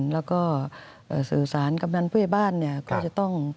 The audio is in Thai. และก็สื่อสารกับนักพยาบาล